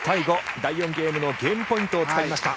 第４ゲームのゲームポイントをつかみました。